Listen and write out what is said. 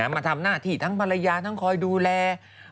มาทำหน้าที่ทั้งภรรยาทั้งคอยดูแล